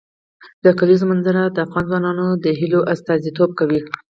د کلیزو منظره د افغان ځوانانو د هیلو استازیتوب کوي.